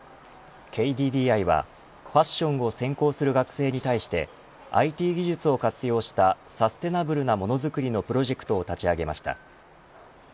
ＫＤＤＩはファッションを専攻する学生に対してＩＴ技術を活用したサステイナブルなものづくりのプロジェクトを立ち上げました。